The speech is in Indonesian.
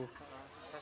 iya kasih makan